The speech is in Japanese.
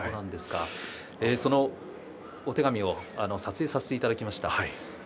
そのお手紙を撮影させていただきました。